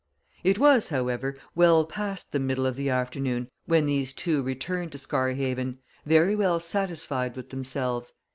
It was, however, well past the middle of the afternoon when these two returned to Scarhaven, very well satisfied with themselves.